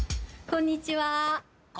こんにちは。